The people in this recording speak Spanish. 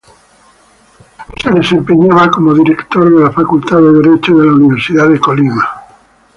Se desempeñaba como Director de la Facultad de Derecho de la Universidad de Colima.